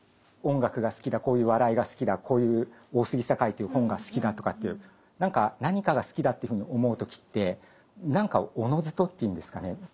音楽が好きだこういう笑いが好きだこういう大杉栄という本が好きだとかという何かが好きだというふうに思う時って何かおのずとっていうんですかね。